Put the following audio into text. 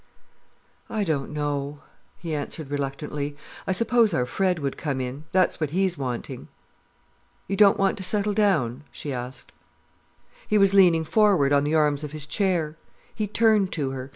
"I don't know," he answered reluctantly. "I suppose our Fred would come in—that's what he's wanting." "You don't want to settle down?" she asked. He was leaning forward on the arms of his chair. He turned to her.